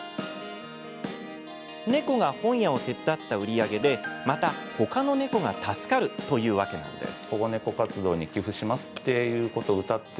猫が本屋を手伝った売り上げでまたほかの猫が助かるというわけなんです。